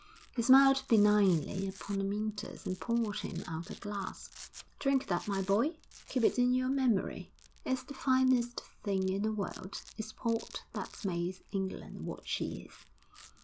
He smiled benignly upon Amyntas, and poured him out a glass. 'Drink that, my boy. Keep it in your memory. It's the finest thing in the world. It's port that's made England what she is!'